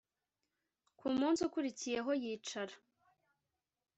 ku munsi ukurikiyeho yicara